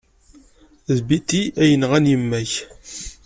D Betty ay yenɣan yemma-k.